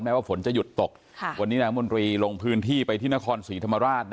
ว่าฝนจะหยุดตกวันนี้นางมนตรีลงพื้นที่ไปที่นครศรีธรรมราช